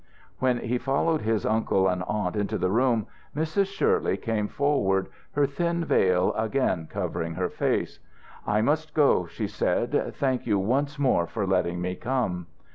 When he followed his uncle and aunt into the room Mrs. Shirley came forward, her thin veil again covering her face. "I must go," she said. "Thank you once more for letting me come."